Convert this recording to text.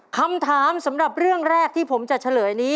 คำถามสำหรับเรื่องแรกที่ผมจะเฉลยนี้